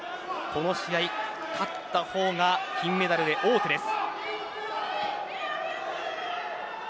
この試合、勝った方が金メダルに王手です。